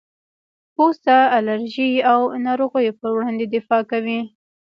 پوست د الرجي او ناروغیو پر وړاندې دفاع کوي.